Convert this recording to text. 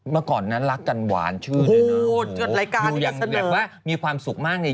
เมื่อก่อนนั้นรักกันหวานชื่นเลยนะแบบว่ามีความสุขมากเลย